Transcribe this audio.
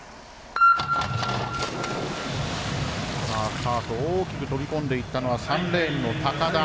スタート大きく飛び込んでいったのは３レーンの高田。